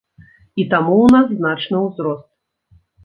І таму ў нас значны ўзрост.